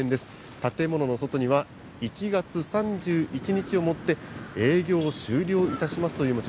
建物の外には、１月３１日をもって、営業を終了いたしますという文字。